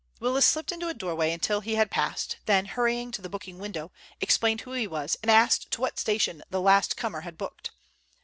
Willis slipped into a doorway until he had passed, then hurrying to the booking window, explained who he was and asked to what station the last comer had booked.